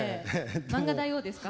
漫画大王ですか？